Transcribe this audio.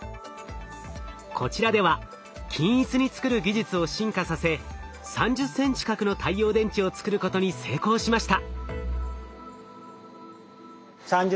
こちらでは均一に作る技術を進化させ３０センチ角の太陽電池を作ることに成功しました。